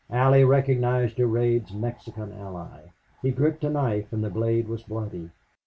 Allie recognized Durade's Mexican ally. He gripped a knife and the blade was bloody.